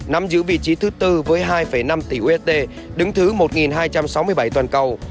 nắm giữ vị trí thứ tư với hai năm tỷ usd đứng thứ một hai trăm sáu mươi bảy toàn cầu